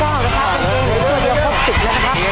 ออกมาเวลา๑๐ปี้ด